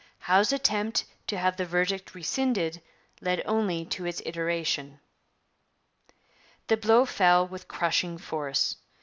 Howe's attempt to have the verdict rescinded led only to its iteration. The blow fell with crushing force.